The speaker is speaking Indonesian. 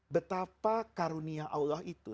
betapa karunia allah itu